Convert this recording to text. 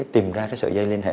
tìm ra cái sự dây liên hệ